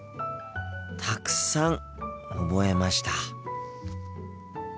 たくさん覚えました。